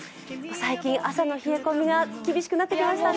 最近、朝の冷え込みが厳しくなってきましたね。